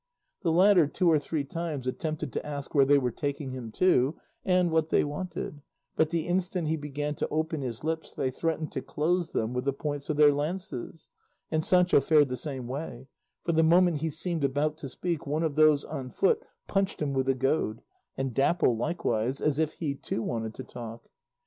The latter two or three times attempted to ask where they were taking him to and what they wanted, but the instant he began to open his lips they threatened to close them with the points of their lances; and Sancho fared the same way, for the moment he seemed about to speak one of those on foot punched him with a goad, and Dapple likewise, as if he too wanted to talk.